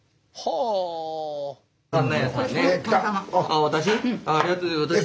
ありがとう。